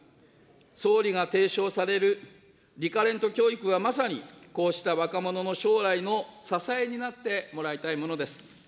総理が提唱されるリカレント教育は、まさに、こうした若者の将来の支えになってもらいたいものです。